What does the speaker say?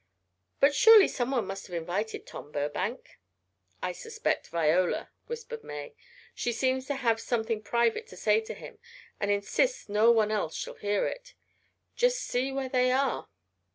"But surely someone must have invited Tom Burbank." "I suspect Viola," whispered May. "She seems to have something private to say to him and insists no one else shall hear it. Just see where they are."